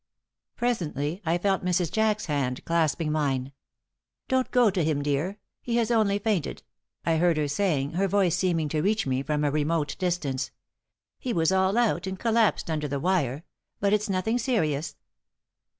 Presently I felt Mrs. Jack's hand clasping mine. "Don't go to him, dear. He has only fainted," I heard her saying, her voice seeming to reach me from a remote distance. "He was all out, and collapsed under the wire. But it's nothing serious."